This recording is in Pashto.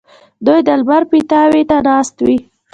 دوی د لمر پیتاوي ته ناست وي.